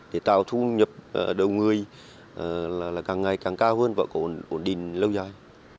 để tạo thu nhập đầu người là càng ngày càng cao hơn và có ổn định lâu dài